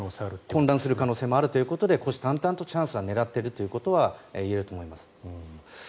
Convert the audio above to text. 混乱する可能性もあるということで、虎視眈々とチャンスは狙っているということは言えると思います。